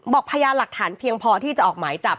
พยานหลักฐานเพียงพอที่จะออกหมายจับ